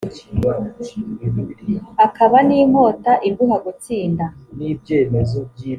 akaba n’inkota iguha gutsinda.